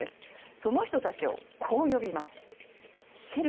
その人たちを、こう呼びます。